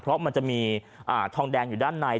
เพราะมันจะมีทองแดงอยู่ด้านใน